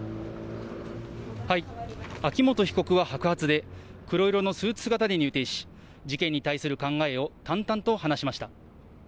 秋元被告は白髪で、黒色のスーツ姿で入廷し、事件に対する考えを淡々と話しました。